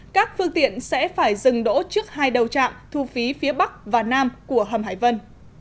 các phương tiện sẽ phải dừng đỗ trước hai đầu trạm thu phí phía bắc và nam của hầm hải vân